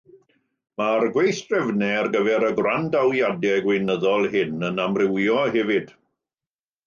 Mae'r gweithdrefnau ar gyfer y gwrandawiadau gweinyddol hyn yn amrywio hefyd.